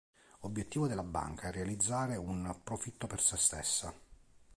Obiettivo della banca è realizzare un profitto per se stessa.